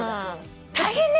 大変ね